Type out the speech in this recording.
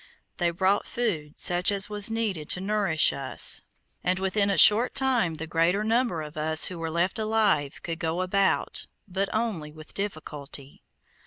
They brought food such as was needed to nourish us, and within a short time the greater number of us who were left alive, could go about, but only with difficulty.